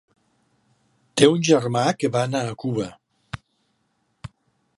Té un germà que va anar a Cuba.